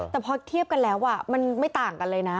แต่พอเทียบกันแล้วมันไม่ต่างกันเลยนะ